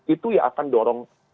itu ya akan dorong